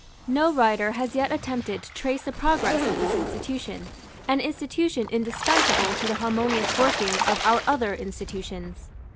No writer has yet attempted to trace the progress of this institution, an institution indispensable to the harmonious working of our other institutions.